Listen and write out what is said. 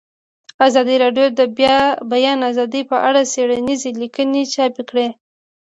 ازادي راډیو د د بیان آزادي په اړه څېړنیزې لیکنې چاپ کړي.